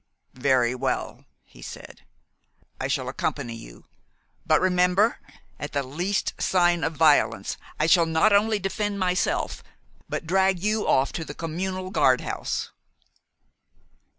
"Very well," he said, "I shall accompany you. But remember, at the least sign of violence, I shall not only defend myself, but drag you off to the communal guardhouse."